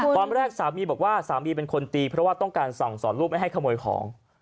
ตอนแรกสามีบอกว่าสามีเป็นคนตีเพราะว่าต้องการสั่งสอนลูกไม่ให้ขโมยของ